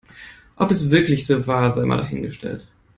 Ob es wirklich so war, sei mal dahingestellt.